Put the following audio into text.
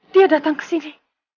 dia datang ke sini